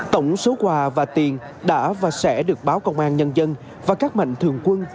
tổng số quà và tiền đã và sẽ được báo công an nhân dân và các mạnh thường quân